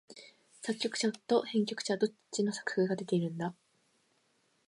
作曲者と編曲者、どっちの作風が出てるんだ？